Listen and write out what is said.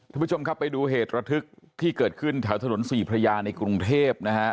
ท่านผู้ชมครับไปดูเหตุระทึกที่เกิดขึ้นแถวถนนสี่พระยาในกรุงเทพนะฮะ